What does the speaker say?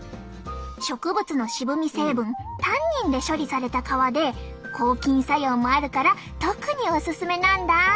植物の渋み成分タンニンで処理された革で抗菌作用もあるから特にオススメなんだ。